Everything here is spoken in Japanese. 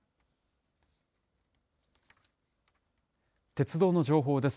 鉄道の情報です。